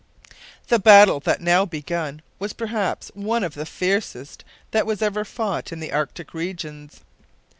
The battle that now begun was perhaps one of the fiercest that was ever fought in the Arctic regions.